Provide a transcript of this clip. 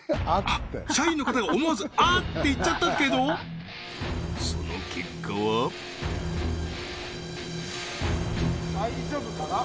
社員の方が思わず「アッ」って言っちゃったけどその結果は大丈夫かな？